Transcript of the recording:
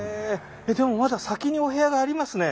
でもまだ先にお部屋がありますね。